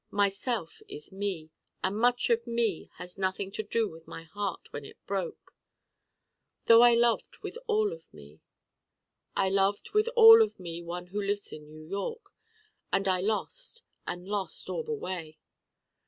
Myself is Me, and much of Me had nothing to do with my Heart when it Broke: though I loved with all of Me. I loved with all of Me one who lives in New York and I lost and lost, all the way.